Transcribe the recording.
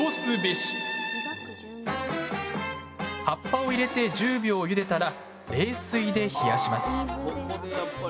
葉っぱを入れて１０秒ゆでたら冷水で冷やします。